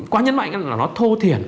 quá nhấn mạnh là nó thô thiển